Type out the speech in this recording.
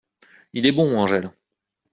Il est bon Angèle .